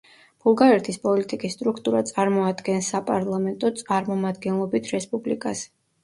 ბულგარეთის პოლიტიკის სტრუქტურა წარმოადგენს საპარლამენტო წარმომადგენლობით რესპუბლიკას.